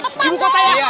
bung bung berdua ya